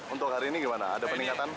untuk hari ini gimana ada peningkatan